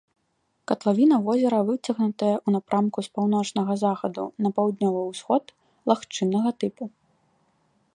Катлавіна возера выцягнутая ў напрамку з паўночнага захаду на паўднёвы усход, лагчыннага тыпу.